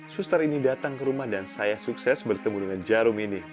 suster ini datang ke rumah dan saya sukses bertemu dengan jarum ini